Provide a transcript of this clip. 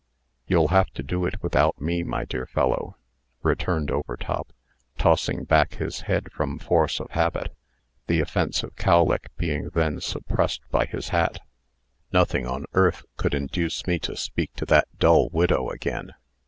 "You'll have to do it without me, my dear fellow," returned Overtop, tossing back his head from force of habit, the offensive cowlick being then suppressed by his hat. "Nothing on earth could induce me to speak to that dull widow again."